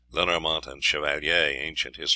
(Lenormant and Chevallier, "Anc. Hist.